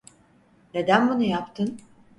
Neden bunu yaptın?